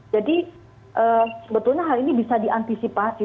sebetulnya hal ini bisa diantisipasi